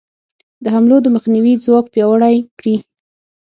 د حملو د مخنیوي ځواک پیاوړی کړي.